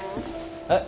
えっ？